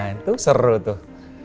nah itu seru tuh